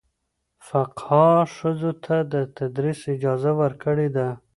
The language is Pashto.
فقهاء ښځو ته د تدریس اجازه ورکړې ده.